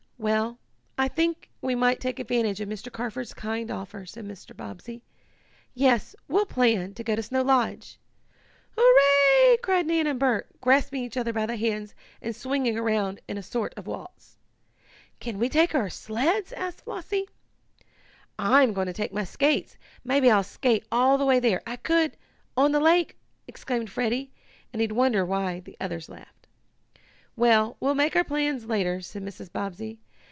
"Well, I think we might take advantage of Mr. Carford's kind offer," said Mr. Bobbsey. "Yes, we'll plan to go to Snow Lodge!" "Hurrah!" cried Nan and Bert, grasping each other by the hands and swinging around in a sort of waltz. "Can we take our sleds," asked Flossie. "I'm going to take my skates maybe I'll skate all the way there I could on the lake!" exclaimed Freddie, and he wondered why the others laughed. "Well, we'll make our plans later," said Mrs. Bobbsey.